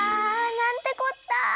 なんてこった！